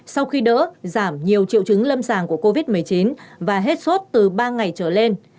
sau khi đỡ giảm nhiều triệu chứng lâm sàng của covid một mươi chín và hết sốt từ ba ngày trở lên